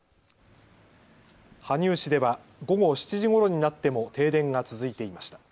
羽生市では午後７時ごろになっても停電が続いていました。